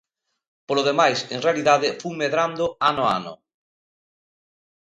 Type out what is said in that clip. Polo demais, en realidade fun medrando ano a ano.